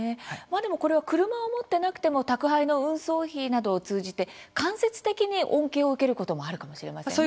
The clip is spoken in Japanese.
車を持っていなくても宅配の運送費などを通じて間接的に恩恵を受けることもあるかもしれませんね。